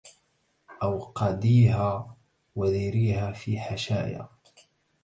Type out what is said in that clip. أوقديها وذريها في حشايا